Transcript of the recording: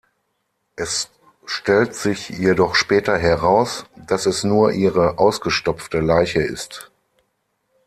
Es stellt sich jedoch später heraus, dass es nur ihre „ausgestopfte“ Leiche ist.